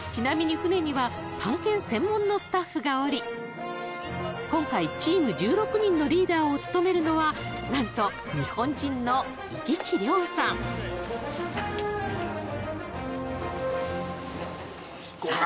船には探検専門のスタッフがおり今回チーム１６人のリーダーを務めるのは何と日本人の伊知地亮さんさあ